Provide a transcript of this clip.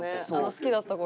好きだった頃。